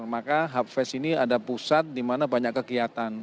maka hubfest ini ada pusat dimana banyak kegiatan